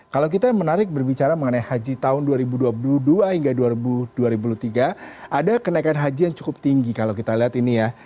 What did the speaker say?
kalau kita menarik berbicara mengenai haji tahun dua ribu dua puluh dua hingga dua ribu dua puluh tiga ada kenaikan haji yang cukup tinggi kalau kita lihat ini ya